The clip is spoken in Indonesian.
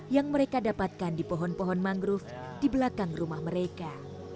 yang mereka dapatkan di pohon pohon mangrove di belakang rumah mereka